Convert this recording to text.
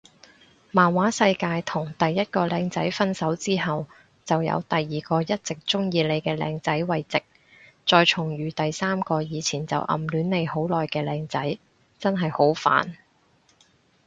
漫畫世界同第一個靚仔分手之後就有第二個一直鍾意你嘅靚仔慰藉再重遇第三個以前就暗戀你好耐嘅靚仔，真係好煩